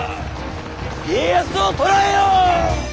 家康を捕らえよ！